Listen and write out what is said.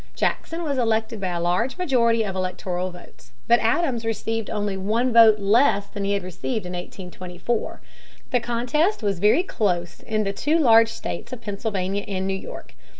Jackson was elected by a large majority of electoral votes. But Adams received only one vote less than he had received in 1824. The contest was very close in the two large states of Pennsylvania and New York.